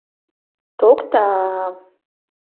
Токта-а!